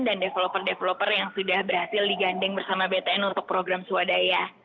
dan developer developer yang sudah berhasil digandeng bersama btn untuk program swadaya